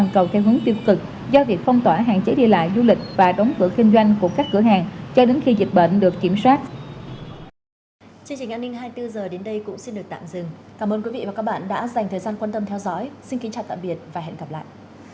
cảm ơn quý vị và các bạn đã dành thời gian quan tâm theo dõi xin kính chào tạm biệt và hẹn gặp lại